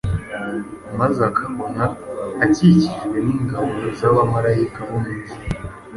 maze akabona akikijwe n’ingabo z’abamarayika bo mu ijuru